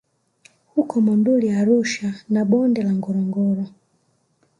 huko Monduli Arusha na Bonde la Ngorongoro